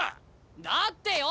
だってよ